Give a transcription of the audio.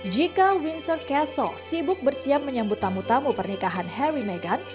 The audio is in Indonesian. jika windsor castle sibuk bersiap menyambut tamu tamu pernikahan harry meghan